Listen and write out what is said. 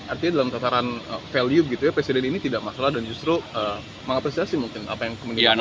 artinya dalam tataran value presiden ini tidak masalah dan justru mengapresiasi mungkin apa yang kemenangan pak prabowo